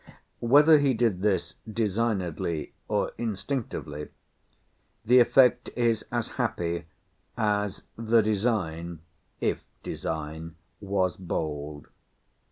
Whether he did this designedly, or instinctively, the effect is as happy, as the design (if design) was bold.